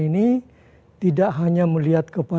dan kelas kelasnya juga melihat kelas kelasnya